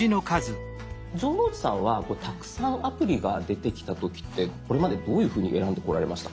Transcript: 城之内さんはたくさんアプリが出てきた時ってこれまでどういうふうに選んでこられましたか？